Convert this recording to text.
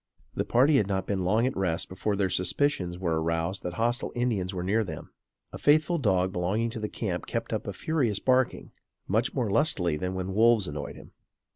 The party had not been long at rest before their suspicions were aroused that hostile Indians were near them. A faithful dog belonging to the camp kept up a furious barking, much more lustily than when wolves annoyed him.